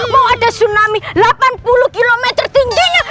mau ada tsunami delapan puluh km tingginya